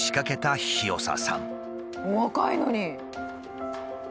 お若いのに。